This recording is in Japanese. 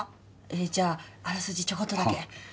ええじゃああらすじちょこっとだけ。